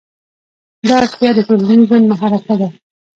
دا اړتیا د ټولنیز ژوند محرکه ده.